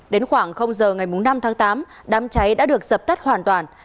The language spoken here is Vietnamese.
đến khoảng giờ ngày năm tháng tám đám cháy đã được dập tắt hoàn toàn